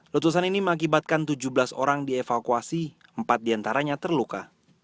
letusan ini mengakibatkan tujuh belas orang dievakuasi empat diantaranya terluka